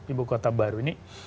ibu kota baru ini